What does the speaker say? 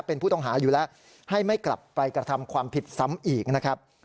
เป็นผู้ต้องหาอยู่แล้วให้ไม่กลับไปกระทำความผิดซ้ำอีกนะครับ